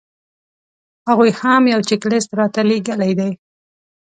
هغوی هم یو چیک لیست راته رالېږلی دی.